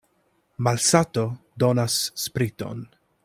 Malsato donas spriton.